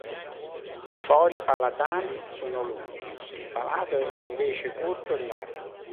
I fori palatali sono lunghi, il palato è invece corto e largo.